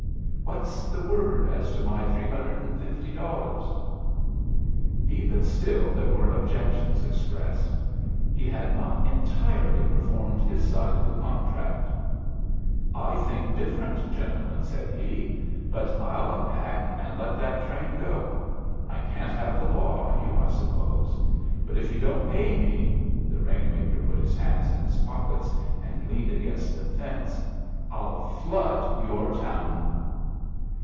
What's the word as to my three hundred and fifty dollars?" Even still there were objections expressed. He had not entirely performed his side of the contract. "I think different, gentlemen," said he. "But I'll unpack and let that train go. I can't have the law on you, I suppose. But if you don't pay me" (the rain maker put his hands in his pockets and leaned against the fence) "I'll flood your town."